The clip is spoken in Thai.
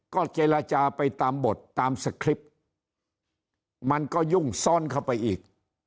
ก็เจรจาไปตามบทตามสคริปต์มันก็ยุ่งซ้อนเข้าไปอีก